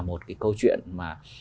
một cái câu chuyện mà